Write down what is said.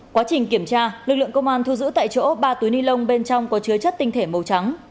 quá trình kiểm tra lực lượng công an thu giữ tại chỗ ba túy nilon bên trong có chứa chất tinh thể màu trắng